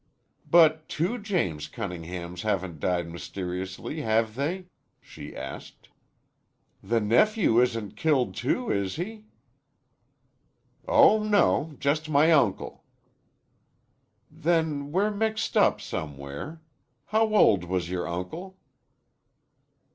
"But two James Cunninghams haven't died mysteriously, have they?" she asked. "The nephew isn't killed, too, is he?" "Oh, no. Just my uncle." "Then we're mixed up somewhere. How old was your uncle?"